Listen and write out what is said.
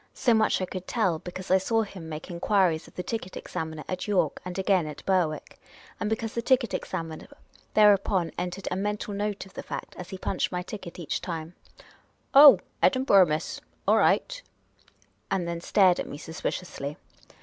So much I conld tell, because I saw him make en (luiries of the ticket examiner at York, and again at Berwick, and because the ticket examiner thereupon entered a mental note of the fact as he punched my ticket each time : "Oh, Kdinburgh, miss ? All right "; and then stared at me sus piciously.